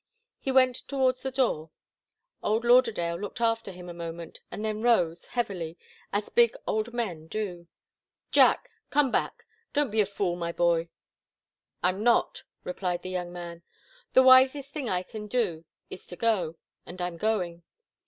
He went towards the door. Old Lauderdale looked after him a moment and then rose, heavily, as big old men do. "Jack! Come back! Don't be a fool, my boy!" "I'm not," replied the young man. "The wisest thing I can do is to go and I'm going."